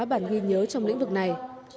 bản ghi nhớ trong lĩnh vực này